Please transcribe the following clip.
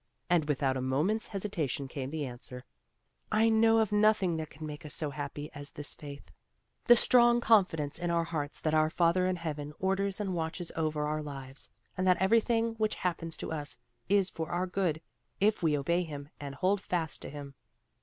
And without a moment's hesitation came the answer; "I know of nothing that can make us so happy as this faith the strong confidence in our hearts that our Father in Heaven orders and watches over our lives, and that everything which happens to us is for our good, if we obey him and hold fast to him.